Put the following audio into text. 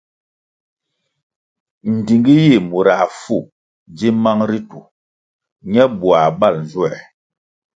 Ndtingi yih murah fu dzi mang ritu ñe buãh bal nzuer.